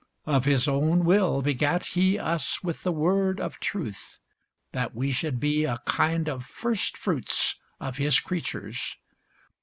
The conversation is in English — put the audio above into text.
Of his own will begat he us with the word of truth, that we should be a kind of firstfruits of his creatures.